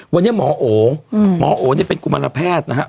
วันนี้หมอโอหมอโอเนี่ยเป็นกุมารแพทย์นะครับ